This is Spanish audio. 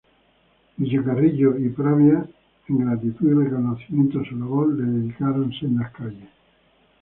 Villacarrillo y Pravia en gratitud y reconocimiento a su labor le dedicaron sendas calles.